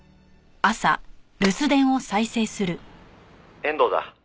「遠藤だ。